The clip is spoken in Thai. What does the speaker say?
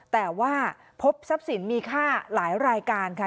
แต่ว่าพบทรัพย์สินมีค่าหลายรายการค่ะ